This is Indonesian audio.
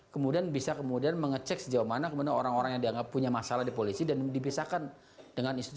kemudian bisa kemudian mengecek sejauh mana orang orang yang dianggap punya masalah di polisi dan dipisahkan dengan institusi